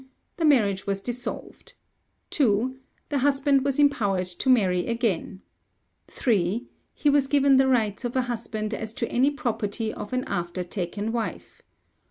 The marriage was dissolved. 2. The husband was empowered to marry again. 3. He was given the rights of a husband as to any property of an after taken wife.